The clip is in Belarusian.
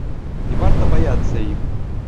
Не варта баяцца іх.